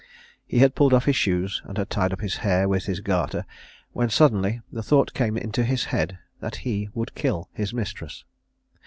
He had pulled off his shoes, and had tied up his hair with his garter, when suddenly the thought came into his head that he would kill his mistress.